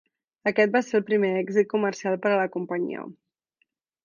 Aquest va ser el primer èxit comercial per a la companyia.